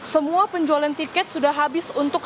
semua penjualan tiket sudah habis untuk